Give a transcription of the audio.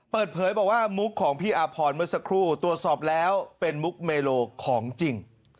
เปิดเผยบอกว่ามุกของพี่อาพรเมื่อสักครู่ตรวจสอบแล้วเป็นมุกเมโลของจริง